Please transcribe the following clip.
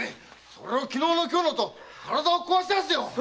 それを昨日の今日のと体を壊しますよ！